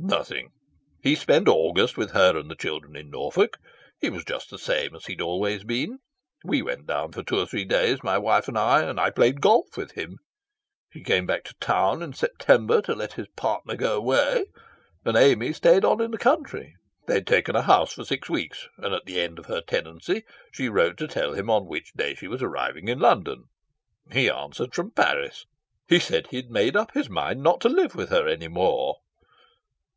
"Nothing. He spent August with her and the children in Norfolk. He was just the same as he'd always been. We went down for two or three days, my wife and I, and I played golf with him. He came back to town in September to let his partner go away, and Amy stayed on in the country. They'd taken a house for six weeks, and at the end of her tenancy she wrote to tell him on which day she was arriving in London. He answered from Paris. He said he'd made up his mind not to live with her any more."